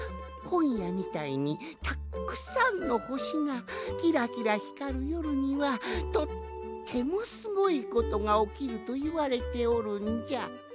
こんやみたいにたっくさんのほしがキラキラひかるよるにはとってもすごいことがおきるといわれておるんじゃ。